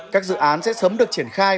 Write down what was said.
các dự án sẽ sớm được triển khai